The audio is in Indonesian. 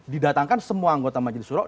didatangkan semua anggota majelis suro